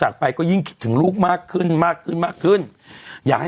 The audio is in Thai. คิ้วของเราเราเลือกเอง